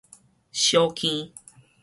小坑